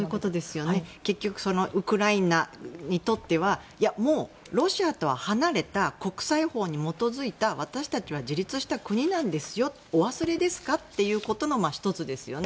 結局ウクライナにとってはもうロシアとは離れた国際法に基づいた私たちは自立した国なんですよお忘れですか？ということの１つですよね。